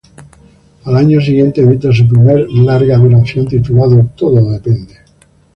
Al año siguiente edita su primer larga duración, titulado "Todo depende".